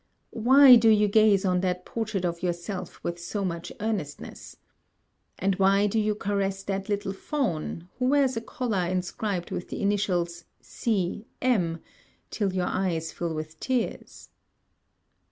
Why do you gaze on that portrait of yourself with so much earnestness? And why do you caress that little fawn, who wears a collar inscribed with the initials C. M. till your eyes fill with tears?